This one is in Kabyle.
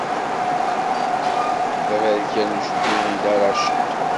D aberkan ucebbub n Dda Racid.